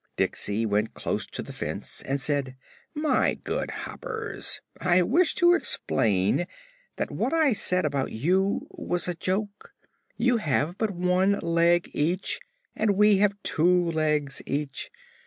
Diksey went close to the fence and said: "My good Hoppers, I wish to explain that what I said about you was a joke. You have but one leg each, and we have two legs each.